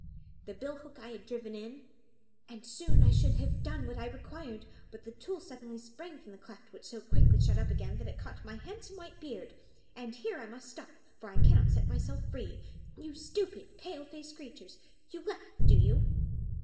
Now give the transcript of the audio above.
The bill hook I had driven in, and soon I should have done what I required; but the tool suddenly sprang from the cleft, which so quickly shut up again that it caught my handsome white beard; and here I must stop, for I cannot set myself free. You stupid, pale faced creatures! You laugh, do you?"